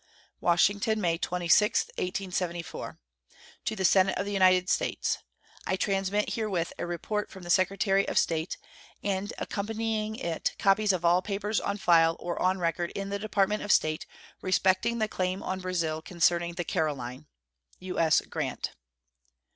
WASHINGTON, May 26, 1874. To the Senate of the United States: I transmit herewith a report from the Secretary of State, and accompanying it copies of all papers on file or on record in the Department of State respecting the claim on Brazil concerning the Caroline. U.S. GRANT.